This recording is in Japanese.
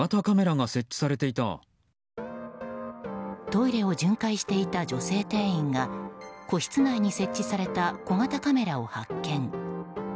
トイレを巡回していた女性店員が個室内に設置された小型カメラを発見。